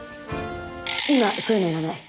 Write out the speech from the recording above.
今そういうのいらない。